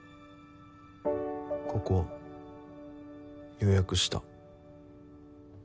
ここ予約した。